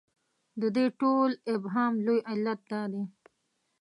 د دې ټول ابهام لوی علت دا دی.